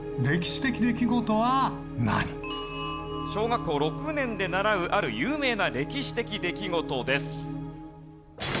小学校６年で習うある有名な歴史的出来事です。